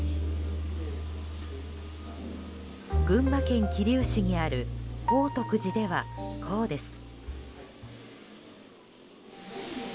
群馬県桐生市にある宝徳寺では、こうです。